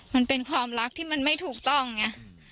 มันเป็นความรักที่มันไม่ถูกต้องไง